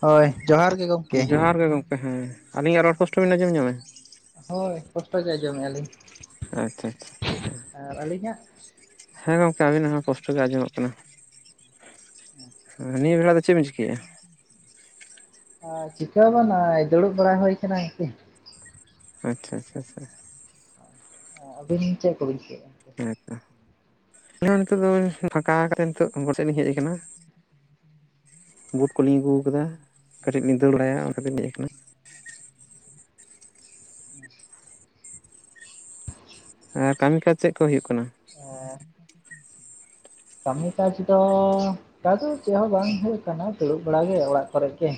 ᱦᱳᱭ ᱡᱚᱦᱟᱨ ᱜᱮ᱾ ᱜᱚᱢᱠᱮ ᱡᱚᱦᱟᱨ ᱜᱮ ᱜᱚᱢᱠᱮ ᱦᱮᱸ ᱟᱹᱞᱤᱧᱟᱜ ᱨᱚᱲ ᱠᱚᱥᱴᱚ ᱵᱤᱱ ᱟᱸᱡᱚᱢ ᱧᱟᱢᱮᱜᱼᱟ᱾ ᱦᱳᱭ ᱠᱚᱥᱴᱚ ᱜᱮᱭ ᱟᱡᱚᱢ ᱮᱫ ᱟᱞᱤᱧ᱾ ᱟᱪᱷᱟ ᱟᱪᱷᱟ ᱦᱮᱸ ᱟᱹᱞᱤᱧᱟᱜ ᱦᱮᱸ ᱜᱚᱢᱠᱮ ᱟᱵᱤᱱᱟᱜ ᱦᱚᱸ ᱠᱚᱥᱴᱚ ᱜᱮ ᱟᱸᱡᱚᱢᱚᱜ ᱠᱟᱱᱟ᱾ ᱦᱩᱸ ᱾ ᱱᱤᱭᱟᱹ ᱵᱮᱲᱟ ᱫᱚ ᱪᱮᱫ ᱮᱢ ᱪᱤᱠᱟᱹᱭᱼᱟ? ᱪᱤᱠᱟᱹ ᱵᱟᱝ ᱫᱩᱲᱩᱵ ᱵᱟᱲᱟ ᱦᱩᱭ ᱠᱟᱱᱟ ᱟᱨᱠᱤ᱾ ᱟᱪᱷᱟ ᱟᱪᱷᱟ ᱟᱪᱷᱟ᱾ ᱟᱵᱤᱱ ᱪᱮᱫ ᱠᱚᱵᱤᱱ ᱪᱤᱠᱟᱹᱭ ᱮᱫᱼᱟ? ᱦᱮᱸᱛᱚ ᱱᱤᱛᱚᱜ ᱫᱚ ᱱᱚᱝᱠᱟ ᱠᱟᱛᱮ ᱱᱤᱛᱚᱜ ᱟᱵ ᱴᱮᱱ ᱞᱤᱧ ᱦᱮᱡ ᱟᱠᱟᱱᱟ᱾ ᱵᱩᱴ ᱠᱚᱞᱤᱧ ᱟᱹᱜᱩ ᱟᱪᱪᱷᱟ ᱠᱟᱫᱟ ᱠᱟᱹᱴᱤᱡ ᱞᱤᱧ ᱫᱟᱹᱲ ᱵᱟᱲᱟᱭᱟ ᱚᱱᱟ ᱛᱮᱞᱤᱧ ᱦᱮᱡ ᱟᱠᱟᱱᱟ᱾ ᱟᱨ ᱠᱟᱹᱢᱤ ᱠᱟᱡ ᱪᱮᱫ ᱠᱚ ᱦᱩᱭᱩᱜ ᱠᱟᱱᱟ? ᱚᱸ᱾ [inaudible] ᱠᱟᱹᱢᱤ ᱠᱟᱡ ᱫᱚ᱾ ᱚᱱᱠᱟ ᱫᱚ ᱪᱮᱫ ᱦᱚᱸ ᱵᱟᱝ ᱦᱩᱭᱩᱜ ᱠᱟᱱᱟ ᱫᱩᱲᱩᱵ ᱵᱟᱲᱟᱜ ᱜᱮ ᱚᱲᱟᱜ ᱠᱚᱨᱮ ᱜᱮ᱾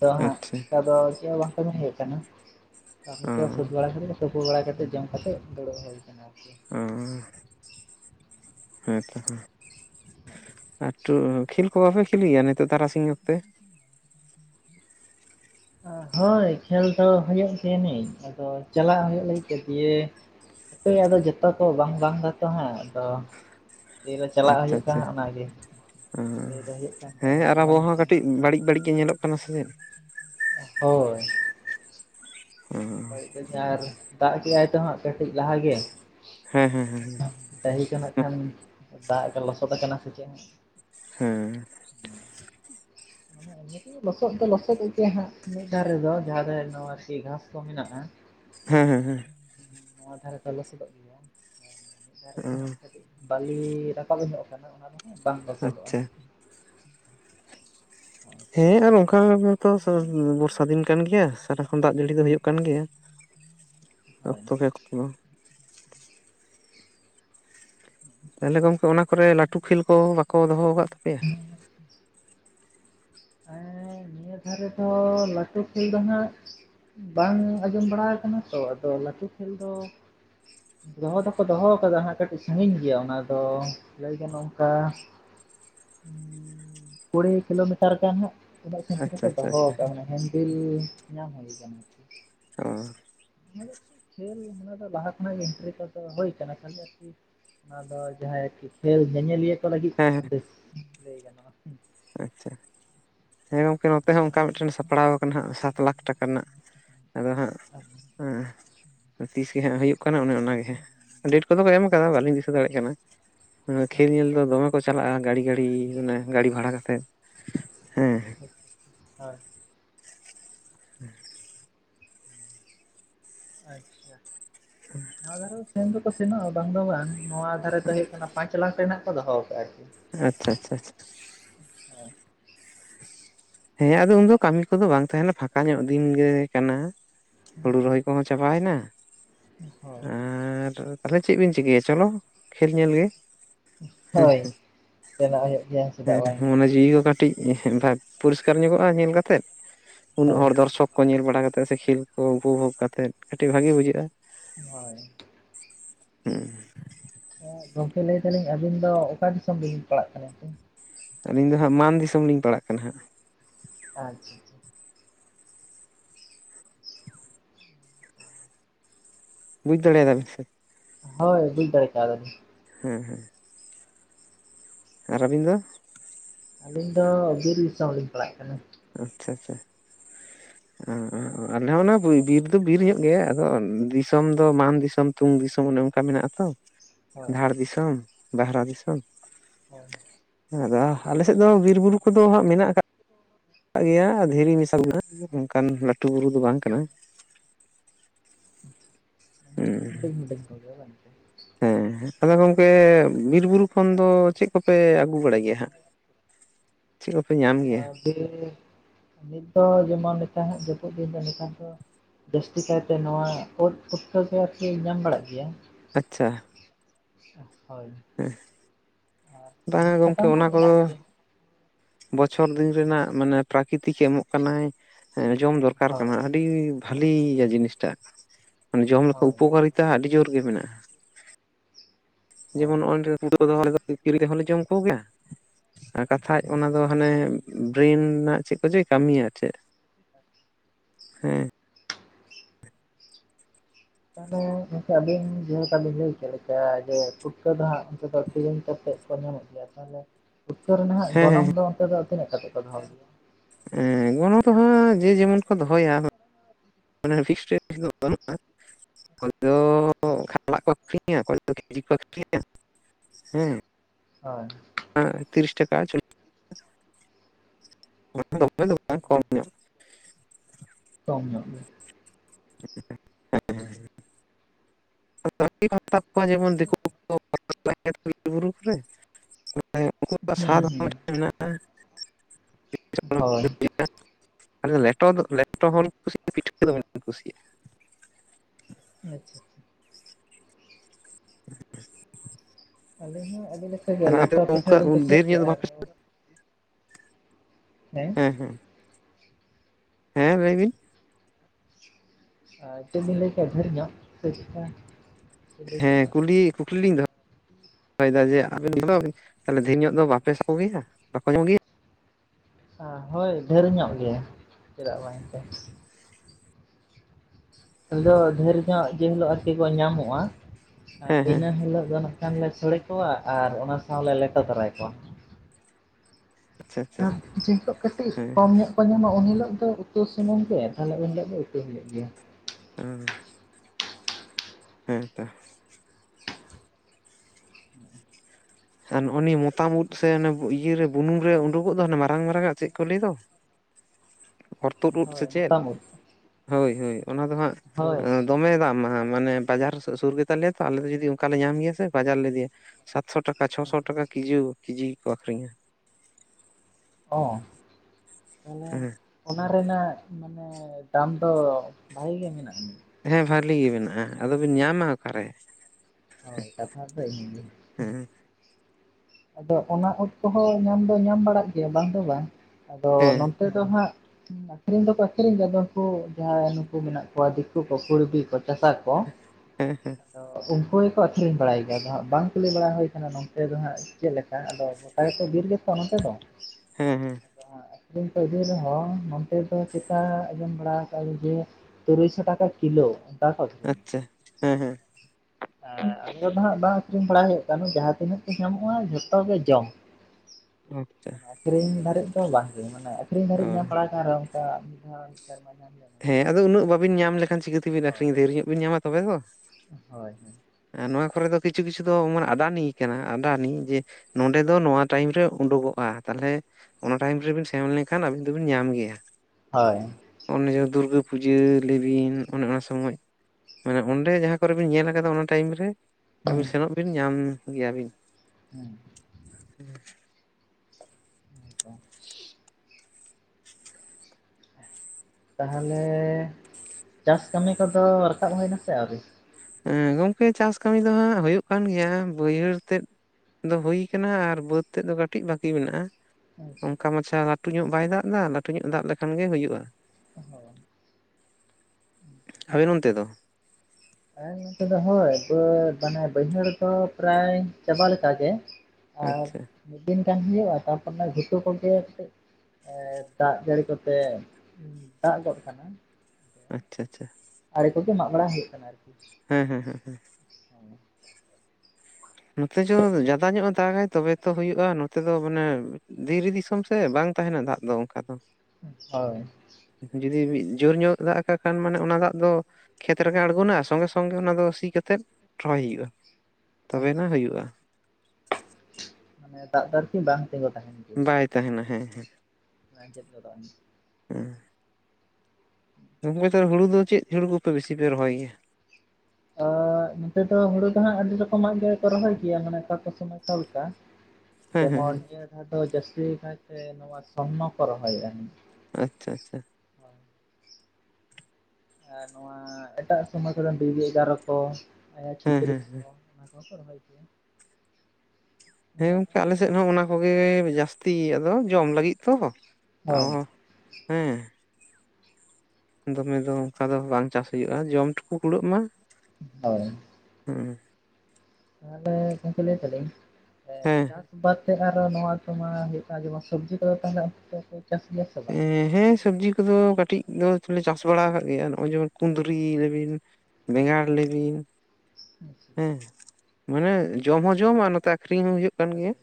ᱫᱚ ᱦᱟᱸᱜ ᱟᱪᱪᱷᱟ ᱚᱱᱠᱟ ᱫᱚ ᱪᱮᱫ ᱦᱚᱸ ᱵᱟᱝ ᱠᱟᱹᱵᱤᱱ ᱦᱮᱡ ᱠᱟᱱᱟ ᱠᱟᱹᱢᱤ ᱚ ᱠᱚ ᱥᱟᱹᱛ ᱵᱟᱲᱟ ᱠᱟᱛᱮᱫ ᱾ ᱛᱩᱯᱩ ᱵᱟᱲᱟ ᱠᱟᱛᱮᱫ ᱡᱚᱢ ᱠᱟᱛᱮᱫ ᱫᱩᱲᱩᱵ ᱦᱩᱭ ᱟᱠᱟᱱᱟ ᱟᱨᱠᱤ᱾ ᱚᱸ ᱦᱮᱸ ᱛᱚ ᱦᱮᱸ᱾ [unintelligible] ᱮᱠᱴᱩ ᱠᱷᱮᱞ ᱠᱚ ᱵᱟᱯᱮ ᱠᱷᱮᱞᱤ ᱜᱮᱭᱟ ᱱᱤᱛᱚᱜ ᱛᱟᱨᱟᱥᱤᱧ ᱚᱠᱛᱮ? ᱦᱳᱭ ᱠᱷᱮᱞ ᱫᱚ ᱦᱩᱭᱩᱜ ᱜᱮᱱᱤᱡ ᱟᱫᱚ ᱪᱟᱞᱟᱜ ᱦᱩᱭᱩᱜ ᱞᱟᱹᱜᱤᱫ ᱛᱮ ᱫᱤᱭᱮ, ᱦᱟᱯᱮ ᱟᱫᱚ ᱡᱚᱛᱚ ᱠᱚ ᱵᱟᱝ ᱵᱟᱝ ᱫᱟᱛᱚ ᱦᱟᱸᱜ ᱟᱫᱚ, ᱫᱤᱭᱮᱞᱮ ᱪᱟᱞᱟᱜ ᱟᱪᱪᱷᱟ ᱦᱩᱭᱩᱜ ᱟᱪᱪᱷᱟ ᱠᱟᱱᱟ ᱚᱱᱟ ᱜᱮ᱾ ᱦᱮᱸ ᱟᱨ ᱟᱵᱚ ᱵᱟᱝ ᱦᱚᱸ ᱦᱮᱸᱥᱮ ᱠᱟᱹᱴᱤᱡ ᱵᱟᱹᱲᱤᱡ ᱵᱟᱹᱲᱤᱡ ᱜᱮ ᱧᱮᱞᱚᱜ ᱠᱟᱱᱟ ᱥᱮ ᱪᱮᱫ? ᱦᱳᱭ᱾ ᱚ ᱵᱟᱹᱲᱤᱡ ᱫᱚ ᱟᱨ ᱫᱟᱜ ᱠᱮᱫ ᱟᱭ ᱛᱚ ᱦᱟᱸᱜ ᱠᱟᱹᱴᱤᱡ ᱞᱟᱦᱟ ᱜᱮ᱾ ᱦᱮᱸ ᱦᱮᱸ ᱦᱮᱸ ᱦᱮᱸ᱾ ᱰᱟᱹᱦᱤ ᱠᱚ ᱱᱟᱜ ᱠᱷᱟᱱ ᱫᱟᱜ ᱞᱚᱥᱚᱫ ᱠᱟᱱᱟ ᱥᱮ ᱪᱮᱫ ᱦᱟᱜ? ᱦᱮᱸ, ᱦᱟᱱᱮ ᱩᱭᱦᱟᱹᱨ, ᱞᱚᱥᱚᱫ ᱫᱚ ᱞᱚᱥᱚᱫᱚᱜ ᱜᱮᱭᱟ ᱦᱟᱸᱜ ᱢᱤᱫ ᱫᱷᱟᱨᱮ ᱫᱚ ᱡᱟᱦᱟᱸ ᱫᱷᱟᱨᱮ ᱱᱟᱣᱟ ᱥᱤ ᱜᱷᱟᱥ ᱠᱚ ᱢᱮᱱᱟᱜᱼᱟ᱾ ᱦᱮᱸ ᱦᱮᱸ ᱦᱮᱸ, ᱱᱚᱣᱟ ᱫᱷᱟᱨᱮ ᱫᱚ ᱞᱚᱥᱮᱫᱚᱜ ᱜᱮᱭᱟ ᱢᱤᱫ ᱫᱷᱟᱨᱮ ᱫᱚ ᱦᱮᱸ ᱦᱟᱸᱜ, ᱵᱟᱹᱞᱤ ᱨᱟᱠᱟᱵ ᱧᱚᱜ ᱠᱟᱱᱟ ᱚᱱᱟ ᱫᱷᱟᱨᱮ ᱫᱚ ᱵᱟᱝ ᱚ ᱞᱚᱥᱚᱫᱚᱜᱼᱟ᱾ ᱟᱪᱪᱷᱟ ᱦᱮᱸ ᱟᱨ ᱚᱱᱠᱟ ᱛᱚ ᱵᱚᱨᱥᱟ ᱫᱤᱱ ᱠᱟᱱ ᱜᱮᱭᱟ ᱥᱟᱨᱟ ᱠᱷᱚᱱ ᱫᱟᱜ ᱡᱟᱹᱲᱤ ᱫᱚ ᱦᱩᱭᱩᱜ ᱠᱟᱱ ᱜᱮᱭᱟ ᱦᱳᱭ ᱚᱠᱛᱚ ᱜᱮ ᱚᱠᱛᱚ ᱫᱚ᱾ ᱛᱟᱦᱚᱞᱮ ᱜᱚᱢᱠᱮ ᱚᱱᱟ ᱠᱚᱨᱮ ᱞᱟᱹᱴᱩ ᱠᱷᱮᱞ ᱠᱚ ᱵᱟᱠᱚ ᱫᱚᱦᱚ ᱟᱠᱟᱫ ᱛᱟᱯᱮᱭᱟ? [inaudible] ᱦᱮᱸ ᱱᱤᱭᱟᱹ ᱫᱷᱟᱨᱮ ᱫᱚ ᱞᱟᱹᱴᱩ ᱠᱷᱮᱞ ᱫᱚ ᱦᱟᱸᱜ, ᱵᱟᱝ ᱟᱸᱡᱚᱢ ᱵᱟᱲᱟ ᱠᱟᱱᱟ ᱛᱚ ᱟᱫᱚ ᱞᱟᱹᱴᱩ ᱠᱷᱮᱞ ᱫᱚ, ᱫᱚᱦᱚ ᱫᱚᱠᱚ ᱫᱚᱦᱚ ᱠᱟᱫᱟ ᱦᱟᱸᱜ ᱠᱟᱹᱴᱤᱡ ᱥᱟᱺᱜᱤᱧ ᱜᱮᱭᱟ ᱚᱱᱟ ᱫᱚ ᱞᱟᱹᱭ ᱜᱟᱱᱚᱜ ᱟ ᱱᱚᱝᱠᱟ [inaudible] ᱠᱩᱲᱤ ᱠᱤᱞᱳᱢᱤᱴ ᱴᱟᱨ ᱠᱟᱱ ᱦᱟᱸᱜ ᱩᱱᱟᱹᱜ ᱥᱟᱺᱜᱤᱧ ᱟᱪᱪᱷᱟ ᱨᱮᱠᱚ ᱟᱪᱪᱷᱟ ᱫᱚᱦᱚ ᱟᱪᱪᱷᱟ ᱟᱠᱟᱜᱼᱟ ᱦᱮᱱᱵᱤᱞ ᱧᱟᱢ ᱦᱩᱭ ᱠᱟᱱᱟ ᱾ ᱚᱸ, ᱠᱷᱮᱞ ᱚᱱᱟ ᱫᱚ ᱞᱟᱦᱟ ᱠᱷᱚᱱᱟᱜ ᱜᱮ ᱮᱱᱴᱨᱤ ᱠᱚᱫᱚ ᱦᱩᱭ ᱠᱟᱱᱟ ᱠᱷᱟᱹᱞᱤ ᱟᱨᱠᱤ, ᱚᱱᱟ ᱫᱚ ᱡᱟᱦᱟᱸ ᱠᱷᱮᱞ ᱧᱮᱧᱮᱞᱤᱭᱟᱹ ᱠᱚ ᱞᱟᱹᱜᱤᱫ ᱦᱮᱸ ᱦᱮᱸ ᱥᱟᱸᱫᱮᱥ ᱞᱟᱹᱭ ᱜᱟᱱᱚᱜᱼᱟ᱾ ᱦᱳᱭ ᱟᱪᱪᱷᱟ, ᱦᱮᱸ ᱜᱚᱝᱠᱮ ᱱᱚᱛᱮ ᱦᱚᱸ ᱚᱱᱠᱟ ᱢᱤᱫᱴᱮᱱ ᱥᱟᱯᱲᱟᱣ ᱠᱟᱱᱟ ᱦᱟᱸᱜ ᱥᱟᱛ ᱞᱟᱠᱷ ᱴᱟᱠᱟ ᱠᱟ ᱨᱮᱱᱟᱜ ᱟᱫᱚ ᱦᱟᱸᱜ᱾ ᱟᱪᱪᱷᱟ, ᱦᱮᱸ, ᱛᱤᱥ ᱜᱮ ᱦᱟᱸᱜ ᱦᱩᱭᱩᱜ ᱠᱟᱱᱟ ᱚᱱᱮ ᱚᱱᱟᱜᱮ ᱦᱟᱸᱜ ᱰᱮᱴᱼᱼ ᱠᱚ ᱫᱚ ᱠᱚ ᱮᱢ ᱠᱟᱫᱟ ᱵᱟᱹᱞᱤᱧ ᱫᱤᱥᱟᱹ ᱫᱟᱲᱮᱭᱟᱜ ᱠᱟᱱᱟ ᱟᱪᱪᱷᱟ ᱠᱷᱮᱞ ᱧᱮᱞ ᱫᱚ ᱟᱪᱪᱷᱟ ᱫᱚᱢᱮ ᱠᱚ ᱪᱟᱞᱟᱜᱼᱟ ᱜᱟᱹᱟᱹᱲᱤ ᱜᱟᱹᱲᱤ ᱚᱱᱮ ᱜᱟᱹᱰᱤ ᱵᱷᱟᱲᱟ ᱠᱟᱛᱮᱫ ᱦᱮᱸ, ᱟᱪᱪᱷᱟ ᱦᱳᱭ᱾ [inaudible] ᱟᱪᱪᱷᱟ, ᱱᱚᱣᱟ ᱫᱷᱟᱨᱮ ᱦᱚ ᱥᱮᱱ ᱫᱚᱠᱚ ᱥᱮᱱᱚᱜᱼᱟ ᱵᱟᱝ ᱫᱚ ᱵᱟᱝ ᱱᱚᱣᱟ ᱫᱷᱟᱨᱮ ᱫᱚ ᱦᱩᱭᱩᱜ ᱠᱟᱱᱟ᱾ ᱯᱟᱸᱪ ᱞᱟᱠᱷ ᱨᱮᱱᱟᱜ ᱠᱚ ᱫᱚᱦᱚ ᱠᱟᱜᱼᱟ ᱟᱨᱠᱤ? ᱟᱪᱪᱷᱟ ᱟᱪᱪᱷᱟ ᱟᱷᱟ᱾ ᱦᱳᱭ ᱦᱮᱸ ᱟᱫᱚ ᱩᱱᱫᱚ ᱠᱟᱹᱢᱤ ᱠᱚᱫᱚ ᱵᱟᱝ ᱛᱟᱦᱮᱱᱟ ᱯᱷᱟᱸᱠᱟ ᱧᱚᱜ ᱫᱤᱱ ᱜᱮ ᱠᱟᱱᱟ᱾ ᱦᱩᱲᱩ ᱨᱚᱦᱚᱭ ᱠᱚᱦᱚᱸ ᱪᱟᱵᱟᱭᱮᱱᱟ᱾ ᱦᱳᱭ᱾ ᱟᱨ ᱛᱟᱦᱚᱞᱮ ᱪᱮᱫ ᱵᱤᱱ ᱪᱤᱠᱟᱹᱭᱟ ᱪᱚᱞᱚ ᱠᱷᱮᱞ ᱧᱮᱞ ᱜᱮ᱾ ᱦᱳᱭ [unintelligible] ᱪᱟᱞᱟᱜ ᱦᱩᱭᱩᱜ ᱜᱮᱭᱟ ᱪᱮᱫᱟᱜ ᱦᱮᱸ ᱵᱟᱝ ᱥᱮ ᱢᱚᱱᱮ ᱡᱤᱣᱤ ᱦᱚ ᱠᱟ ᱠᱟᱹᱴᱤᱡ ᱯᱚᱨᱤᱥᱠᱟᱨ ᱧᱚᱜᱚᱜᱼᱟ ᱧᱮᱞ ᱠᱟᱛᱮ ᱩᱱᱟᱹᱜ ᱦᱳᱭ ᱦᱚᱲ ᱫᱚᱨᱥᱚᱠ, ᱠᱚ ᱧᱮᱞ ᱵᱟᱲᱟᱛᱮᱫ ᱥᱮ ᱠᱷᱮᱞ ᱠᱚ ᱩᱯᱚᱵᱷᱳᱜ ᱠᱟᱛᱮᱫ ᱠᱟᱹᱴᱤᱡ ᱵᱷᱟᱜᱮ ᱵᱩᱡᱷᱟᱹᱜᱼᱟ᱾ ᱦᱳᱭ᱾ ᱦᱮᱸ᱾ ᱦᱮᱸ᱾ ᱜᱚᱢᱠᱮ ᱞᱟᱹᱭ ᱫᱟᱞᱤᱧ ᱟᱹᱵᱤᱱ ᱫᱚ ᱚᱠᱟ ᱫᱤᱥᱚᱢ ᱵᱤᱱ ᱯᱟᱲᱟᱜ ᱠᱟᱱᱟ ᱵᱤᱱ? ᱟᱹᱞᱤᱧ ᱫᱚ ᱦᱟᱸᱜ ᱢᱟᱱ ᱫᱤᱥᱚᱢ ᱞᱤᱧ ᱯᱟᱲᱟᱜ ᱠᱟᱱᱟ ᱦᱟᱸᱜ᱾ ᱟᱪᱪᱷᱟ᱾ ᱵᱩᱡᱽ ᱫᱟᱲᱮᱭᱟᱫᱟ ᱵᱤᱱ ᱥᱮ? ᱦᱳᱭ ᱵᱩᱡᱽ ᱫᱟᱲᱮ ᱠᱟᱣᱫᱟᱞᱤᱧ᱾ ᱦᱮᱸ ᱦᱮᱸ᱾ ᱟᱨ ᱟᱹᱵᱤᱱ ᱫᱚ? ᱟᱹᱞᱤᱧ ᱫᱚ ᱵᱤᱨ ᱫᱤᱥᱚᱢ ᱞᱤᱧ ᱯᱟᱲᱟᱜ ᱠᱟᱱᱟ᱾ ᱟᱪᱪᱷᱟ ᱟᱪᱪᱷᱟ᱾ ᱚ ᱚ᱾ ᱟᱨᱞᱮᱚᱸ ᱚᱱᱟ ᱵᱤᱨ ᱫᱚ ᱵᱤᱨ ᱧᱚᱜ ᱜᱮ ᱟᱫᱚ ᱫᱤᱥᱚᱢ ᱫᱚ ᱢᱟᱱ ᱫᱤᱥᱚᱢ᱾ ᱥᱤᱛᱩᱝ ᱫᱤᱥᱚᱢ ᱚᱱᱮ ᱚᱱᱠᱟ ᱢᱮᱱᱟᱜᱼᱟ ᱛᱚ ᱦᱳᱭ ᱫᱷᱟᱲ ᱫᱤᱥᱚᱢ, ᱫᱟᱦᱨᱟ ᱫᱤᱥᱚᱢ᱾ ᱦᱳᱭ᱾ ᱟᱫᱚ ᱟᱞᱮ ᱥᱮᱫ ᱫᱚ ᱵᱤᱨ ᱵᱩᱨᱩ ᱠᱚᱫᱚ ᱦᱟᱸᱜ ᱢᱮᱱᱟᱜ ᱠᱟᱜ ᱚᱱᱟᱜ ᱜᱮᱭᱟ ᱫᱷᱤᱨᱤ ᱢᱮᱥᱟ [unintelligible] ᱚᱱᱠᱟᱱ ᱞᱟᱹᱴᱩ ᱵᱩᱨᱩ ᱫᱚ ᱵᱟᱝ ᱠᱟᱱᱟ᱾ ᱦᱩᱸ [unintelligible] ᱦᱮᱸ ᱦᱮᱸ᱾ ᱟᱫᱚ ᱜᱚᱝᱠᱮ ᱵᱤᱨ ᱵᱩᱨᱩ ᱠᱷᱚᱱ ᱫᱚ ᱪᱮᱫ ᱠᱚᱯᱮ ᱟᱹᱜᱩ ᱵᱟᱲᱟᱭ ᱜᱮᱭᱟ ᱦᱟᱸᱜ, ᱪᱮᱫ ᱠᱚᱯᱮ ᱧᱟᱢ ᱜᱮᱭᱟ? ᱡᱮ ᱱᱤᱛ ᱫᱚ ᱡᱮᱢᱚᱱ ᱱᱮᱛᱟᱨ ᱦᱟᱸᱜ ᱡᱟᱹᱯᱩᱫ ᱫᱤᱱ ᱫᱚ ᱱᱮᱛᱟᱨ ᱫᱚ ᱡᱟᱹᱥᱛᱤ ᱠᱟᱭᱛᱮ ᱱᱚᱣᱟ ᱩᱫᱽ ᱯᱩᱴᱠᱟᱹ ᱠᱟ ᱚᱨᱠᱤ ᱧᱟᱢ ᱵᱟᱲᱟᱜ ᱜᱮᱭᱟ᱾ ᱟᱪᱪᱷᱟ᱾ ᱦᱳᱭ᱾ ᱦᱮᱸ᱾ ᱥᱟᱦᱟᱱ ᱵᱟᱝᱟ ᱥᱟᱠᱟᱢ ᱜᱚᱝᱠᱮ ᱢᱟ ᱚᱱᱟ ᱢᱮᱱᱟᱜ ᱠᱚᱫᱚ ᱜᱮ᱾ ᱵᱚᱪᱷᱚᱨ ᱫᱤᱱ ᱨᱮᱱᱟᱜ ᱢᱟᱱᱮ ᱯᱨᱟᱠᱛᱤᱠᱮ ᱮᱢᱚᱜ ᱠᱟᱱᱟᱭ ᱮᱸ ᱡᱚᱢ ᱫᱚᱨᱠᱟᱨ ᱠᱟᱱᱟ᱾ ᱦᱳᱭ ᱟᱹᱰᱤ ᱵᱷᱟᱞᱤᱭᱟ ᱡᱤᱱᱤᱥᱴᱟᱜ᱾ ᱢᱟᱱᱮ ᱡᱚᱢ ᱞᱮᱠᱷᱟᱱ ᱦᱳᱭ ᱩᱯᱚᱠᱟᱨᱤᱛᱟ ᱟᱹᱰᱤ ᱡᱳᱨ ᱜᱮ ᱢᱮᱱᱟᱜᱼᱟ᱾ ᱦᱳᱭ ᱡᱮᱢᱚᱱ ᱱᱚᱜᱼᱚᱭ [unintelligible] ᱠᱤᱨᱤ ᱛᱮᱦᱚᱸᱞᱮ ᱡᱚᱢ ᱠᱚᱜᱮᱭᱟ᱾ ᱟ ᱠᱟᱛᱷᱟᱡ ᱚᱱᱟ ᱫᱚ ᱦᱟᱱᱮ ᱵᱨᱮᱱ ᱨᱮᱱᱟᱜ ᱪᱮᱫ ᱠᱚ ᱪᱚᱭ ᱠᱟᱹᱢᱤᱭᱟ ᱟᱨ ᱪᱮᱫ ᱦᱮᱸ᱾ [inaudible] ᱛᱟᱦᱚᱞᱮ ᱜᱚᱝᱠᱮ ᱟᱹᱵᱤᱱ ᱡᱮ ᱞᱮᱠᱟ ᱵᱤᱱ ᱞᱟᱹᱭ ᱠᱮᱫ ᱞᱮᱠᱟ ᱡᱮ ᱯᱷᱩᱴᱠᱟᱹ ᱫᱚ ᱦᱟᱸᱜ ᱩᱱᱠᱩ ᱫᱚ ᱠᱤᱨᱤᱧ ᱠᱟᱛᱮᱜ ᱠᱚ ᱧᱟᱢᱚᱜ ᱜᱮᱭᱟ ᱛᱟᱦᱚᱞᱮ ᱯᱩᱴᱠᱟᱹ ᱨᱮ ᱱᱟᱦᱟᱜ ᱦᱮᱸ ᱜᱚᱱᱚᱝ ᱦᱮᱸ ᱫᱚ ᱚᱱᱛᱮ ᱫᱚ ᱛᱤᱱᱟᱹᱜ ᱠᱟᱛᱮ ᱠᱚ ᱫᱚᱦᱚ ᱜᱮᱭᱟ? ᱦᱮᱸ ᱜᱚᱱᱚᱝ ᱫᱚ ᱦᱟᱸ ᱡᱮ ᱡᱮᱢᱚᱱ ᱠᱚ ᱫᱚᱦᱚᱭᱟ᱾ ᱚᱱᱟ ᱯᱷᱤᱠᱥ ᱨᱮᱴ ᱫᱚ ᱵᱟᱹᱱᱩᱜᱼᱟ ᱚᱱᱟ ᱫᱚ ᱟᱪᱪᱷᱟ [unintelligible] ᱦᱳᱭ᱾ [unintelligible] ᱠᱚᱢ ᱧᱚᱜ ᱜᱮ᱾ ᱦᱮᱸ ᱦᱮᱸ [unintelligible] ᱦᱩᱸ ᱦᱩᱸ [unintelligible] ᱦᱳᱭ [unintelligible] [unintelligible] ᱟᱪᱪᱷᱟ ᱟᱪᱪᱷᱟ᱾ [unintelligible] ᱟᱹᱞᱤᱧ ᱦᱚᱸ ᱟᱹᱰᱤ ᱞᱤᱠᱟ ᱞᱮᱠᱟᱜᱮ ᱛᱟᱦᱚᱞᱮ ᱟᱯᱮ ᱞᱮᱴᱚ ᱯᱤᱴᱷᱟᱹ ᱩᱱᱠᱩᱣᱟᱜ ᱞᱤᱧ ᱠᱩᱥᱤᱭᱟᱜ ᱰᱷᱮᱨ ᱧᱚᱜ ᱜᱤᱭᱟ ᱫᱚ ᱟᱨ ᱵᱟᱯᱮ ᱦᱮᱸ? ᱦᱮᱸ ᱞᱟᱹᱭ ᱵᱤᱱ? ᱟ ᱪᱮᱜ ᱵᱤᱱ ᱞᱟᱹᱭ ᱠᱮᱜᱼᱟ ᱰᱷᱮᱨ ᱧᱚᱜ ᱥᱮ ᱪᱮᱜ ᱠᱟ? ᱦᱮᱸ ᱠᱩᱞᱤ ᱠᱩᱠᱞᱤ ᱞᱤᱧ ᱫᱚᱦᱚ ᱦᱚᱭᱫᱟ ᱡᱮ [inaudible] ᱰᱷᱮᱨ ᱧᱚᱜ ᱫᱚ ᱵᱟᱯᱮ ᱥᱟᱠᱚᱜᱮᱭᱟ, ᱵᱟᱠᱚ [inaudible] ᱟ ᱦᱳᱭ ᱰᱷᱮᱨ ᱧᱚᱜ ᱜᱮ ᱪᱮᱫᱟᱜ ᱵᱟᱝ ᱪᱮ᱾ ᱟᱫᱚ ᱰᱷᱮᱨ ᱧᱚᱜ ᱡᱮ ᱦᱤᱞᱳᱜ ᱟᱨᱠᱤ ᱠᱚ ᱧᱟᱢᱚᱜᱼᱟ, ᱟ ᱦᱮᱸ ᱦᱮᱸ ᱤᱱᱟᱹ ᱦᱤᱞᱳᱜ ᱫᱚ ᱠᱷᱟᱱᱞᱮ ᱥᱚᱲᱮ ᱠᱚᱣᱟ ᱟᱨ ᱚᱱᱟ ᱥᱟᱶᱞᱮ ᱞᱮᱴᱚ ᱛᱚᱨᱟ ᱠᱚᱣᱟ᱾ ᱟᱪᱪᱷᱟ ᱟᱪᱪᱷᱟ ᱟᱸ ᱡᱤᱞᱳᱜ ᱠᱟᱹᱴᱤᱜ ᱦᱮᱸ ᱠᱚᱢ ᱧᱚᱜ ᱠᱚ ᱧᱟᱢᱟ ᱩᱱ ᱦᱤᱞᱳᱜ ᱫᱚ ᱩᱛᱩ ᱥᱩᱢᱩᱝ ᱯᱮ ᱛᱟᱦᱞᱮ ᱩᱱ ᱦᱤᱞᱳᱜ ᱫᱚ ᱩᱛᱩ ᱦᱩᱭᱩᱜ ᱜᱤᱭᱟ᱾ ᱩᱸ ᱦᱮᱸ ᱛᱚ᱾ ᱟᱱ ᱩᱱᱤ ᱢᱚᱛᱟᱢ ᱩᱴ ᱥᱮ ᱱᱮ ᱤᱭᱟᱹ ᱨᱮ ᱵᱩᱱᱩᱢ ᱨᱮ ᱩᱰᱩᱠᱚᱜ ᱫᱚ ᱦᱟᱱᱮ ᱢᱟᱨᱟᱝ ᱢᱟᱨᱟᱝ ᱟᱜ ᱪᱮᱜ ᱠᱚ ᱞᱟᱹᱭ ᱫᱚ? ᱚᱨ ᱛᱳᱫ ᱳᱫ ᱥᱮ ᱦᱳᱭ ᱪᱮᱫ? ᱢᱚᱛᱟᱢ ᱩᱫ ᱦᱳᱭ ᱦᱳᱭ᱾ ᱚᱱᱟ ᱫᱚ ᱦᱟᱸᱜ ᱦᱳᱭ ᱫᱚᱢᱮ ᱫᱟᱢ ᱦᱟᱜ ᱢᱟᱱᱮ ᱵᱟᱡᱟᱨ ᱥᱮᱜ ᱥᱳ-ᱥᱳᱨ ᱜᱮᱛᱟᱞᱮᱭᱟ ᱛᱚ ᱟᱞᱮ ᱫᱚ ᱡᱩᱫᱤ ᱚᱱᱠᱟ ᱞᱮ ᱧᱟᱢ ᱜᱤᱭᱟ ᱥᱮ ᱵᱟᱡᱟᱨ ᱞᱮ ᱤᱫᱤᱭᱟ᱾ ᱥᱟᱛᱥᱚ ᱴᱟᱠᱟ ᱪᱷᱚᱥᱚ ᱴᱟᱠᱟ ᱠᱤᱡᱩ ᱠᱤᱡᱤ ᱜᱤ ᱠᱚ ᱟᱠᱷᱨᱤᱧᱟ᱾ ᱚ ᱛᱟᱦᱟᱞᱮ ᱦᱮᱸ ᱚᱱᱟ ᱨᱤᱱᱟᱜ ᱢᱟᱱᱮ ᱫᱟᱢ ᱫᱚ ᱵᱷᱟᱜᱮ ᱜᱮ ᱢᱮᱱᱟᱜᱼᱟ? ᱦᱮᱸ ᱵᱷᱟᱞᱤ ᱜᱮ ᱢᱮᱱᱟᱜᱼᱟ ᱟᱫᱚ ᱵᱤᱱ ᱧᱟᱢᱟ ᱚᱠᱟᱨᱮ? ᱦᱳᱭ ᱠᱟᱛᱷᱟ ᱫᱚ ᱤᱱᱟᱹ ᱜᱮ᱾ ᱦᱮᱸ ᱟᱫᱚ ᱚᱱᱟ ᱳᱫ ᱠᱚᱦᱚᱸ ᱧᱟᱢ ᱫᱚ ᱧᱟᱢ ᱵᱟᱲᱟᱜ ᱜᱮᱭᱟ ᱵᱟᱝ ᱫᱚ ᱵᱟᱝ ᱟᱫᱚ ᱦᱮᱸ ᱱᱚᱱᱚᱛᱮ ᱫᱚ ᱦᱟᱸᱜ ᱦᱩᱸ ᱟᱠᱷᱨᱤᱧ ᱫᱚᱠᱚ ᱟᱠᱷᱨᱤᱧ ᱜᱮᱟ ᱡᱟᱦᱟᱸᱭ ᱱᱩᱠᱩ ᱢᱮᱱᱟᱜ ᱠᱚᱣᱟ ᱫᱤᱠᱩ ᱠᱚ ᱠᱩᱲᱵᱤ ᱠᱚ ᱪᱟᱥᱟ ᱠᱚ᱾ ᱦᱮᱸ ᱦᱮᱸ ᱛᱚ ᱩᱝᱠᱩ ᱜᱮᱠᱚ ᱟᱹᱠᱷᱨᱤᱧ ᱵᱟᱲᱟᱭ ᱜᱮᱭᱟ ᱟᱫᱚ ᱦᱟᱸᱜ ᱵᱟᱝ ᱠᱩᱞᱤ ᱵᱟᱲᱟ ᱦᱩᱭᱠᱟᱱᱟ ᱱᱚᱱᱛᱮ ᱫᱚ ᱦᱟᱸᱜ ᱪᱮᱜ ᱞᱮᱠᱟ ᱟᱫᱚ ᱜᱚᱴᱟ ᱜᱮᱛᱚ ᱵᱤᱨ ᱜᱮᱛᱚ ᱱᱚᱛᱮ ᱫᱚ᱾ ᱦᱮᱸ ᱦᱮᱸ᱾ ᱦᱟᱸ ᱟᱹᱠᱷᱨᱤᱧ ᱠᱚ ᱤᱫᱤ ᱨᱮᱦᱚᱸ ᱱᱚᱱᱛᱮ ᱫᱚ ᱪᱮᱠᱟ ᱟᱸᱡᱚᱢ ᱵᱟᱲᱟᱣ ᱠᱟᱜᱼᱟ ᱞᱤᱧ ᱡᱮ ᱛᱩᱨᱩᱭᱥᱚ ᱴᱟᱠᱟ ᱠᱤᱞᱳ᱾ ᱠᱚ ᱟᱪᱪᱷᱟ ᱦᱮᱸ ᱦᱮᱸ᱾ ᱟᱸ ᱟᱞᱮ ᱫᱚ ᱦᱟᱸᱜ ᱵᱟᱝ ᱟᱹᱷᱨᱤᱧ ᱵᱟᱲᱟ ᱦᱳᱭᱳᱜ ᱠᱟᱱᱟ ᱡᱟᱦᱟᱸ ᱛᱤᱱᱟᱹᱜ ᱜᱮ ᱧᱟᱢᱚᱜᱼᱟ ᱡᱷᱚᱛᱚ ᱜᱮ ᱡᱚᱢ᱾ [unintelligible] ᱟᱹᱠᱷᱨᱤᱧ ᱫᱷᱟᱹᱨᱤᱡ ᱫᱚ ᱵᱟᱝ ᱜᱮ ᱢᱟᱱᱮ ᱟᱹᱠᱷᱨᱤᱧ ᱚ ᱫᱷᱟᱨᱤᱡ ᱧᱟᱢ ᱵᱟᱲᱟᱣ ᱠᱟᱱ ᱨᱮᱦᱚᱸ ᱚᱱᱠᱟ ᱢᱤᱫ ᱫᱷᱟᱣ ᱢᱤᱫ ᱥᱮᱨᱢᱟ ᱧᱟᱢ ᱦᱮᱸ ᱟᱫᱚ ᱩᱱᱟᱹᱜ ᱵᱟᱵᱤᱱ ᱧᱟᱢ ᱞᱮᱠᱷᱟᱱ ᱪᱤᱠᱟᱹᱛᱮᱵᱤᱱ ᱟᱹᱷᱠᱷᱨᱤᱧ ᱰᱷᱮᱨ ᱧᱚᱜ ᱵᱤᱱ ᱧᱟᱢᱟ ᱛᱚᱵᱮ ᱛᱚ᱾ ᱦᱳᱭ ᱦᱳᱭ᱾ ᱦᱮᱸ ᱱᱚᱣᱟ ᱠᱚᱨᱮ ᱫᱚ ᱠᱤᱪᱷᱩ ᱠᱤᱪᱷᱩ ᱫᱚ ᱩᱢᱟᱹᱱ ᱟᱰᱟᱱᱤ ᱠᱟᱱᱟ ᱟᱰᱟᱱᱤ ᱡᱮ ᱱᱚᱸᱰᱮ ᱫᱚ ᱱᱚᱣᱟ ᱴᱟᱭᱤᱢ ᱨᱮ ᱩᱰᱩᱜᱚᱜᱼᱟ ᱛᱟᱞᱦᱮ ᱚᱱᱟ ᱴᱟᱭᱤᱢ ᱨᱮᱵᱤᱱ ᱥᱮᱱ ᱞᱮᱱᱠᱷᱟᱱ ᱟᱵᱤᱱ ᱫᱚᱵᱤᱱ ᱧᱟᱢ ᱜᱮᱭᱟ᱾ ᱦᱚᱭ᱾ ᱚᱱᱱᱮ ᱡᱮ ᱫᱩᱨᱜᱟᱹ ᱯᱩᱡᱟᱹ ᱞᱮᱵᱤᱱ ᱚᱱᱮ ᱚᱱᱟ ᱥᱚᱢᱚᱭ, ᱢᱟᱱᱮ ᱚᱸᱰᱮ ᱡᱟᱦᱟᱸ ᱠᱚ ᱠᱚ ᱨᱮ ᱵᱤᱱ ᱧᱮᱞ ᱠᱟᱫᱟ ᱚᱱᱟ ᱴᱟᱭᱤᱢ ᱨᱮ ᱦᱳᱭ ᱟᱹᱵᱤᱱ ᱥᱮᱱᱚᱜ ᱵᱤᱱ ᱧᱟᱢ ᱜᱮᱭᱟᱵᱤᱱ᱾ ᱦᱩᱸ [unintelligible] [unintelligible] ᱛᱟᱦᱚᱞᱮᱻ [inaudible] ᱪᱟᱥ ᱠᱟᱹᱢᱤ ᱠᱚᱫᱚ ᱨᱟᱠᱟᱵ ᱦᱩᱭ ᱮᱱᱟ ᱥᱮ ᱟᱹᱣᱨᱤ? ᱦᱮᱸ ᱜᱚᱢᱠᱮ ᱪᱟᱥ ᱠᱟᱹᱢᱤ ᱠᱚ ᱫᱚ ᱦᱟᱜ ᱦᱳᱭᱳᱜ ᱠᱟᱱ ᱜᱮᱭᱟ, ᱵᱟᱹᱭᱦᱟᱹᱲ ᱛᱮᱫ ᱫᱚ ᱦᱳᱭ ᱟᱠᱟᱱᱟ ᱟᱨ ᱵᱟᱹᱫᱽ ᱛᱮᱫ ᱫᱚ ᱠᱟᱹᱴᱤᱡ ᱵᱟᱠᱤ ᱢᱮᱱᱟᱜ-ᱟ᱾ ᱚᱱᱠᱟ ᱢᱟᱪᱷᱟ ᱞᱟᱹᱴᱩ ᱧᱚᱜ ᱵᱟᱭ ᱫᱟᱜ ᱮᱫᱟ ᱞᱟᱹᱴᱩ ᱧᱚᱜ ᱫᱟᱜ ᱞᱮᱠᱷᱟᱱ ᱜᱮ ᱦᱳᱭᱳᱜ-ᱟ᱾ ᱦᱚᱭ ᱾ [inaudible] ᱟᱹᱵᱤᱱ ᱚᱱᱛᱮ ᱫᱚ ᱦᱮ ᱱᱚᱱᱛᱮ ᱫᱚ ᱦᱳᱭ, ᱵᱟᱹ ᱢᱟᱱᱮ ᱵᱟᱹᱭᱦᱟᱹᱲ ᱫᱚ ᱯᱨᱟᱭ ᱪᱟᱵᱟ ᱞᱮ ᱞᱮᱠᱟ ᱜᱮ ᱾ ᱟᱨ ᱟᱪᱪᱷᱟ ᱢᱤᱫ ᱫᱤᱱ ᱜᱟᱱ ᱦᱩᱭᱩᱜ-ᱟ, ᱛᱟᱨᱯᱚᱨ ᱚᱱᱟ ᱜᱷᱩᱴᱩ ᱠᱚᱜᱮ ᱠᱟ. ᱴᱤᱡ [inaudible] ᱮ ᱫᱟᱜ ᱡᱟᱹᱲᱤ ᱠᱚᱛᱮ ᱫᱟᱜ ᱜᱚᱫ ᱟᱠᱟᱱᱟ᱾ ᱟᱪᱪᱷᱟ ᱟᱪᱪᱷᱟ ᱾ ᱟᱲᱮ ᱠᱚᱜᱮ ᱢᱟᱜ ᱵᱟᱲᱟ ᱦᱩᱭᱩᱜ ᱠᱟᱱᱟ ᱟᱨᱠᱤ ᱾ ᱦᱮᱸ ᱦᱮᱸ ᱦᱮᱸ ᱦᱮᱸ ᱾ ᱱᱚᱛᱮ ᱡᱚ ᱡᱟᱫᱟ ᱧᱚᱜ ᱮ ᱫᱟᱜᱟᱭ ᱛᱚᱵᱮ ᱛᱚ ᱦᱩᱭᱩᱜ-ᱟ ᱾ ᱱᱚᱛᱮ ᱫᱚ ᱢᱟᱱᱮ ᱫᱷᱤᱨᱤ ᱫᱤᱥᱚᱢ ᱥᱮ ᱵᱟᱝ ᱛᱟᱦᱮᱱᱟ ᱫᱟᱜ ᱫᱚ ᱚᱱᱠᱟ ᱫᱚ᱾ ᱦᱳᱭ ᱾ ᱡᱩᱫᱤ ᱡᱳᱨ ᱧᱚᱜ ᱫᱟᱜ ᱠᱟᱜ ᱠᱷᱟᱱ ᱢᱟᱱᱮ ᱚᱱᱟ ᱫᱟᱜ ᱫᱚ ᱠᱷᱮᱛ ᱨᱮᱜᱮ ᱟᱬᱜᱳᱱᱟ, ᱥᱚᱸᱜᱮ ᱥᱚᱸᱜᱮ ᱚᱱᱟ ᱫᱚ ᱥᱤ ᱠᱟᱛᱮᱫ ᱨᱚᱦᱚᱭ ᱦᱩᱭᱩᱜ-ᱟ [inaudible] ᱟᱪᱪᱷᱟ ᱛᱚᱵᱮᱭᱱᱟ ᱦᱩᱭᱩᱜ-ᱟ᱾ ᱢᱟᱱᱮ ᱫᱟᱜ ᱫᱚ ᱟᱨᱠᱤ ᱵᱟᱝ ᱛᱮᱸᱜᱳ ᱛᱟᱦᱮᱱ ᱜᱮ ᱵᱟᱭ ᱛᱟᱦᱮᱱᱟ ᱦᱮᱸ ᱦᱮᱸ ᱾ [unintelligible] [inaudible] ᱜᱚᱢᱠᱮ ᱫᱚ ᱦᱩᱲᱩ ᱫᱚ ᱪᱮᱫ ᱦᱩᱲᱩ ᱠᱚᱯᱮ ᱵᱤᱥᱤ ᱯᱮ ᱨᱚᱦᱚᱭ ᱜᱮᱭᱟ? ᱚᱻ ᱱᱚᱛᱮ ᱫᱚ ᱦᱩᱲᱩ ᱫᱚ ᱦᱟᱸᱜ ᱟᱹᱰᱤ ᱨᱚᱠᱚᱢᱟᱜ ᱜᱮᱠᱚ ᱨᱚᱦᱚᱭ ᱜᱮᱭᱟ ᱢᱟᱱᱮ ᱚᱠᱟ ᱠᱚ ᱥᱚᱢᱚᱭ ᱚᱠᱟ ᱞᱮᱠᱟ᱾ ᱦᱮᱸ ᱦᱮᱸ ᱡᱮᱢᱚᱱ ᱦᱮᱸ ᱱᱤᱭᱟᱹ ᱫᱷᱟᱣ ᱫᱚ ᱡᱟᱹᱥᱛᱤ ᱠᱟᱭᱛᱮ ᱱᱚᱣᱟ ᱥᱚᱨᱱᱚ ᱠᱚ ᱨᱚᱦᱚᱭᱮᱫ-ᱟ᱾ ᱟᱪᱪᱷᱟ ᱟᱪᱪᱷᱟ ᱾ ᱟᱨ ᱱᱚᱣᱟ ᱮᱴᱟᱜ ᱥᱚᱢᱚᱭ ᱠᱚᱨᱮ ᱰᱤᱵᱤ ᱮᱜᱟᱨᱚ ᱠᱚ ᱾ ᱟᱨ ᱦᱮᱸ ᱪᱷᱚᱛᱛᱨᱤᱥ ᱦᱮᱸ ᱦᱮᱸ ᱠᱚ ᱚᱱᱟ ᱠᱚ ᱦᱚ ᱠᱚ ᱨᱚᱦᱚᱭ ᱜᱮᱭᱟ᱾ ᱦᱮᱸ ᱢᱟᱱᱮ ᱜᱚᱢᱠᱮ ᱟᱞᱮ ᱥᱮᱫ ᱦᱚᱸ ᱚᱱᱟ ᱠᱚᱜᱮ ᱡᱟᱹᱥᱛᱤ, ᱟᱫᱚ ᱡᱚᱢ ᱞᱟᱹᱜᱤᱫ ᱛᱚ ᱦᱳᱭ ᱚᱻ [inaudible] ᱦᱮᱸ ᱾ ᱫᱚᱢᱮ ᱫᱚ ᱚᱱᱠᱟ ᱫᱚ ᱵᱟᱝ ᱪᱟᱥ ᱦᱩᱭᱩᱜ-ᱟ, ᱡᱚᱢ ᱴᱩᱠᱩ ᱠᱩᱲᱟᱹᱜ ᱢᱟ᱾ ᱦᱳᱭ ᱾ ᱦᱮᱸ ᱾ ᱛᱟᱦᱚᱞᱮ ᱜᱚᱢᱠᱮ ᱞᱟ. ᱭ ᱮᱫᱟᱞᱤᱧ ᱦᱮᱸ ᱾ ᱵᱟᱫᱛᱮ ᱟᱨᱚ ᱱᱚᱣᱟ ᱠᱚᱢᱟ ᱦᱩᱭᱩᱜ ᱠᱟᱱᱟ ᱾ ᱡᱮᱢᱚᱱ ᱥᱚᱵᱽᱡᱤ ᱠᱚᱫᱚ ᱛᱟᱦᱚᱞᱮ ᱟᱯᱮ ᱯᱮ ᱪᱟᱥ ᱜᱮᱭᱟ ᱥᱮ ᱵᱟᱝ? ᱮᱸ ᱦᱮᱸ ᱥᱚᱵᱽᱡᱤ ᱠᱚᱫᱚ ᱠᱟᱹᱴᱤᱡ ᱫᱚᱞᱮ ᱪᱟᱥ ᱵᱟᱲᱟ ᱟᱠᱟᱜ ᱜᱮᱭᱟ ᱱᱚᱜ-ᱚᱭ ᱡᱮᱢᱚᱱ ᱠᱩᱸᱫᱽᱨᱤ ᱞᱮ ᱵᱤᱱ ᱵᱮᱸᱜᱟᱲ ᱞᱮᱵᱤᱱ᱾ [inaudible] ᱦᱮᱸ, [inaudible] ᱢᱟᱱᱮ ᱡᱚᱢ ᱦᱚᱸ ᱡᱚᱢ ᱟᱨ ᱱᱚᱛᱮ ᱟᱠᱷᱨᱤᱧ ᱦᱚᱸ ᱦᱩᱭᱩᱜ ᱠᱟᱱ ᱜᱮᱭᱟ᱾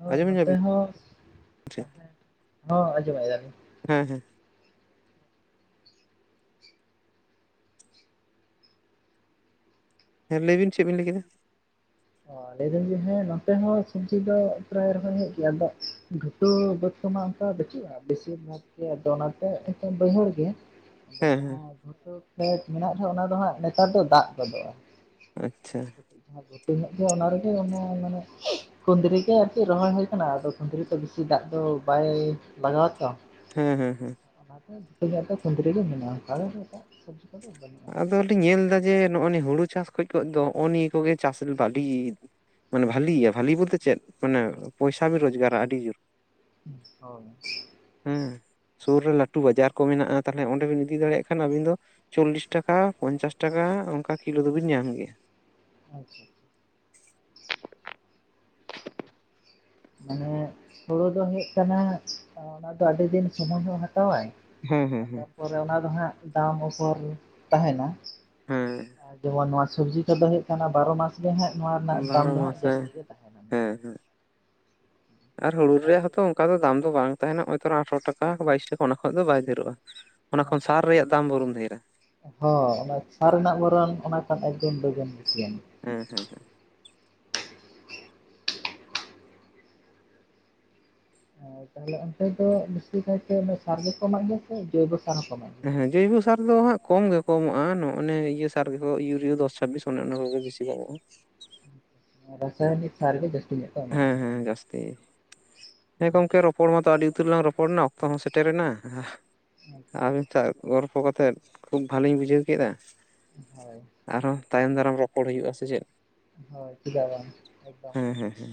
ᱦᱳᱭ ᱟᱸᱡᱚᱢ ᱱᱚᱛᱮ ᱧᱟᱵᱤᱱ ᱦᱚᱸ [inaudible] ᱥᱮ? ᱛᱟᱦᱮᱸᱱ [inaudible] ᱦᱚᱸ ᱟᱸᱡᱚᱢᱮᱜ ᱜᱮᱭᱟᱞᱤᱧ᱾ ᱦᱮᱸ ᱦᱮᱸ ᱾ ᱦᱮᱸ ᱞᱟᱹᱭᱵᱤᱱ ᱪᱮᱫ ᱵᱤᱱ ᱞᱟᱹᱭ ᱠᱮᱫᱟ ᱾ ᱚ ᱞᱟᱹᱭ ᱮᱫᱟᱹᱧ ᱡᱮ ᱦᱮᱸ ᱱᱚᱛᱮ ᱦᱚᱸ ᱥᱩᱵᱽᱡᱤ ᱫᱚ ᱯᱨᱟᱭ ᱨᱚᱠᱚᱢ ᱦᱩᱭᱩᱜ ᱜᱮᱭᱟ ᱾ ᱟᱫᱚ ᱛᱚ ᱵᱟᱹᱫᱽ ᱠᱚ ᱢᱟ ᱚᱝᱠᱟ ᱵᱟᱹᱪᱩᱜ-ᱟ ᱵᱮᱥᱤᱨ ᱵᱷᱟᱜᱽ ᱜᱮ, ᱟᱫᱚ ᱚᱱᱟᱛᱮ ᱵᱟᱹᱭᱦᱟᱹᱲ ᱜᱮ ᱦᱮᱸ ᱦᱮᱸ ᱡᱟᱦᱟᱸ ᱜᱩᱴᱩ ᱠᱷᱮᱛ ᱢᱮᱱᱟᱜ-ᱟ ᱚᱱᱟ ᱫᱚ ᱦᱟᱸᱜ ᱱᱮᱛᱟᱨ ᱫᱚ ᱫᱟᱜ ᱜᱚᱫᱚᱜ-ᱟ ᱾ ᱟᱪᱪᱷᱟ ᱾ [inaudible] ᱠᱷᱩᱱᱸᱫᱽᱨᱤ ᱜᱮ ᱟᱨᱠᱤ ᱨᱚᱦᱚᱭ ᱦᱩᱭ ᱟᱠᱟᱱᱟ ᱟᱫᱚ ᱠᱷᱸᱫᱽᱨᱤ ᱫᱚ ᱵᱮᱥᱤ ᱫᱟᱜ ᱫᱚ ᱵᱟᱭ ᱞᱟᱜᱟᱣᱟ ᱛᱚ ᱾ ᱦᱮᱸ ᱦᱮᱸ ᱦᱮᱸ᱾ ᱚᱱᱟ ᱫᱚ ᱡᱚᱛᱚ ᱜᱮ ᱠᱩᱸᱫᱽᱨᱤ ᱨᱮᱜᱮ ᱢᱮᱱᱟᱜᱼᱟ ᱟᱫᱚ [unintelligible] ᱟᱫᱚᱞᱤᱧ ᱧᱮᱞ ᱫᱟ ᱡᱮ ᱱᱚ ᱱᱤᱭᱟᱹ ᱦᱩᱲᱩ ᱪᱟᱥ ᱠᱷᱚᱡ ᱫᱚ ᱦᱚᱸ ᱱᱤᱭᱟᱹ ᱠᱚᱜᱮ ᱪᱟᱥ ᱟᱰᱤ ᱢᱟᱱᱮ ᱵᱷᱟᱞᱤ ᱜᱮᱭᱟ ᱵᱷᱟᱞᱤ ᱵᱚᱞᱛᱮ ᱪᱮᱫ ᱢᱟᱱᱮ ᱯᱚᱭᱥᱟ ᱵᱤᱱ ᱨᱳᱡᱽᱜᱟᱨᱟ ᱟᱹᱰᱤ ᱡᱳᱨ᱾ [unintelligible] ᱦᱮᱸ ᱥᱩᱨ ᱨᱮ ᱞᱟᱹᱴᱩ ᱵᱟᱡᱟᱨ ᱠᱚ ᱢᱮᱱᱟᱜ-ᱟ ᱛᱟᱦᱚᱞᱮ ᱚᱸᱰᱮ ᱵᱤᱱ ᱤᱫᱤ ᱫᱟᱲᱮᱭᱟᱜ ᱠᱷᱟᱱ ᱟᱵᱤᱱ ᱫᱚ ᱪᱚᱞᱞᱤᱥ [inaudible] ᱴᱟᱠᱟ ᱯᱚᱧᱪᱟᱥ ᱴᱟᱠᱟ ᱚᱱᱠᱟ ᱠᱤᱞᱳ ᱫᱚᱵᱤᱱ ᱧᱟᱢ ᱜᱮᱭᱟ᱾ [unintelligible] ᱢᱟᱱᱮ ᱦᱩᱲᱩ ᱫᱚ ᱦᱩᱭᱩᱜ ᱠᱟᱱᱟ ᱚᱱᱟ ᱫᱚ ᱟᱹᱰᱤ ᱫᱤᱱ ᱥᱚᱢᱚᱭ ᱦᱚᱸ ᱦᱟᱛᱟᱣᱟᱭ᱾ ᱦᱮᱸ ᱦᱮᱸ ᱟᱨ ᱦᱮᱸ ᱛᱟᱨᱯᱚᱨᱮ ᱚᱱᱟ ᱫᱚ ᱦᱟᱸᱜ ᱫᱟᱢ ᱩᱯᱷᱚᱨ ᱛᱟᱦᱮᱱᱟ᱾ ᱦᱮᱸ ᱟᱨ ᱡᱮᱢᱚᱱ ᱱᱚᱣᱟ ᱥᱚᱵᱽᱡᱤ ᱠᱚᱫᱚ ᱦᱩᱭᱩᱜ ᱵᱟᱨᱚ ᱢᱟᱥ ᱜᱮ ᱦᱟᱸᱜ ᱱᱚᱣᱟ ᱨᱮᱱᱟᱜ ᱫᱟᱢ ᱵᱟᱨᱚ ᱫᱚ ᱦᱟᱸᱜ ᱢᱟᱥᱮ ᱡᱟᱹᱥᱛᱤ ᱜᱮ ᱛᱟᱦᱮᱱᱟ ᱾ ᱦᱮᱸ ᱦᱮᱸ ᱟᱨ ᱦᱩᱲᱩ ᱨᱮᱭᱟᱜ ᱦᱚᱸᱛᱚ ᱚᱝᱠᱟ ᱫᱟᱢ ᱵᱟᱝ ᱛᱟᱦᱮᱱᱟ ᱦᱚᱚᱭᱛᱨᱟ ᱟᱴᱷᱨᱚ ᱴᱟᱠᱟ ᱵᱟᱭᱤᱥ ᱴᱟᱠᱟ ᱚᱱᱟ ᱠᱷᱚᱡ ᱫᱚ ᱵᱟᱭ ᱰᱷᱮᱨᱚᱜ-ᱟ᱾ ᱚᱱᱟ ᱠᱷᱚᱱ ᱠᱷᱟᱱ ᱥᱟᱨ ᱫᱚ ᱵᱟᱭ ᱨᱮᱭᱟᱜ ᱫᱟᱢ ᱛᱟᱦᱮᱱᱟ᱾ ᱵᱚᱨᱚᱢ ᱰᱷᱮᱨ-ᱟ ᱾ ᱦᱚᱸ ᱚᱱᱟ ᱥᱟᱨ ᱨᱮᱱᱟᱜ ᱵᱚᱨᱚᱱ ᱚᱱᱟ ᱠᱷᱚᱱ ᱮᱠᱫᱚᱢ ᱫᱚᱵᱚᱞ ᱠᱩᱥᱤᱭᱟᱱ ᱦᱮᱸ ᱦᱮᱸ ᱦᱮᱸ᱾ ᱛᱟᱦᱚᱞᱮ ᱚᱱᱛᱮ ᱫᱚ ᱵᱤᱥᱤ ᱠᱟᱭᱛᱮ ᱥᱟᱨ ᱜᱮᱠᱚ ᱮᱢᱟᱜ ᱜᱮᱭᱟ ᱥᱮ ᱡᱳᱭᱵᱚ ᱥᱟᱨ ᱦᱚᱸ ᱮᱢᱟᱜ ᱜᱮᱭᱟ᱾ ᱦᱮᱸ ᱡᱳᱭᱵᱚ ᱥᱟᱨ ᱫᱚ ᱦᱟᱸᱜ ᱠᱚᱢ ᱜᱮᱠᱚ ᱮᱢᱟᱜ-ᱟ ᱱᱚᱭ ᱱᱤᱭᱟᱹ ᱥᱟᱨ ᱜᱮᱠᱚ ᱤᱭᱩᱨᱤᱭᱟᱹ ᱫᱚᱥ ᱪᱷᱟᱵᱤᱥ ᱚᱱᱮ ᱚᱱᱟ ᱠᱚᱜᱮ ᱵᱤᱥᱤ ᱠᱚ ᱮᱢᱟᱜ-ᱟ ᱾ ᱨᱟᱥᱟᱭᱱᱤᱠ ᱥᱟᱨ ᱜᱮ ᱡᱟᱹᱥᱛᱤ ᱧᱚᱜ-ᱟ ᱦᱮᱸ ᱦᱮᱸ ᱡᱟᱹᱥᱛᱤ ᱦᱮᱸ ᱜᱚᱝᱠᱮ ᱨᱚᱯᱚᱲ ᱢᱟᱛᱚ ᱟᱹᱰᱤ ᱩᱛᱟᱹᱨ ᱞᱟᱝ ᱨᱚᱯᱚᱲ ᱮᱱᱟ ᱚᱠᱛᱚ ᱦᱚᱸ ᱥᱮᱴᱮᱨ ᱮᱱᱟ [unintelligible] ᱟᱵᱤᱱ ᱥᱟᱶ ᱜᱚᱞᱯᱚ ᱠᱟᱛᱮᱫ ᱠᱷᱩᱵ ᱵᱷᱟᱞᱤᱧ ᱵᱩᱡᱷᱟᱹᱣ ᱠᱮᱫᱟ᱾ ᱦᱳᱭ ᱾ ᱟᱨᱦᱚᱸ ᱛᱟᱭᱚᱢ ᱫᱟᱨᱟᱢ ᱨᱚᱯᱚᱲ ᱦᱩᱭᱩᱜ-ᱟ ᱥᱮ ᱪᱮᱫ᱾ ᱦᱳᱭ ᱪᱮᱫ ᱵᱟᱝ ᱮᱠᱫᱚᱢ ᱦᱮᱸ ᱜᱮ ᱦᱮᱸ ᱾ ᱦᱮᱸ